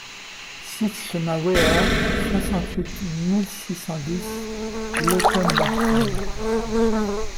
six chemin Weiher, soixante-huit mille six cent dix Lautenbachzell